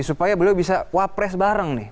supaya beliau bisa wapres bareng nih